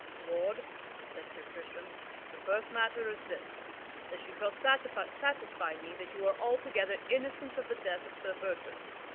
"Lord," said Sir Tristram, "the first matter is this: that you shall satisfy me that you are altogether innocent of the death of Sir Bertrand.